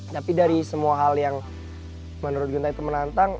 tapi dari semua hal yang menurut ginta itu menantang